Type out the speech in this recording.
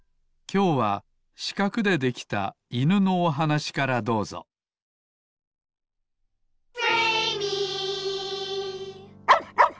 きょうはしかくでできたいぬのおはなしからどうぞワンワン！